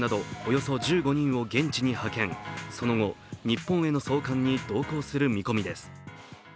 その後、日本への送還に同行する見込みです。